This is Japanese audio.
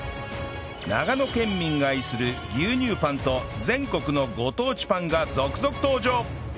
長野県民が愛する牛乳パンと全国のご当地パンが続々登場！